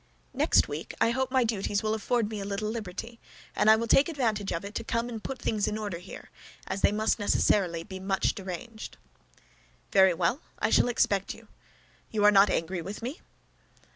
"Next week I hope my duties will afford me a little liberty, and I will take advantage of it to come and put things in order here, as they must necessarily be much deranged." "Very well; I shall expect you. You are not angry with me?"